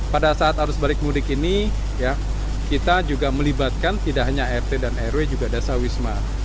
pada saat arus balik mudik ini kita juga melibatkan tidak hanya rt dan rw juga desa wisma